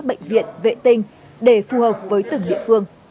bệnh viện vệ tinh để phù hợp với từng địa phương